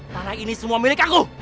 tanah ini semua milik aku